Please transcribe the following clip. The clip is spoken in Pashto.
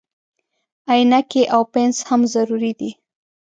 عینکې او پنس هم ضروري دي.